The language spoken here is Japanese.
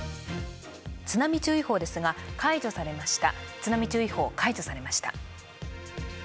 津波注意報ですが、解除されました。